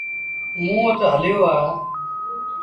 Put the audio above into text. موݩ وٽ هليو آ۔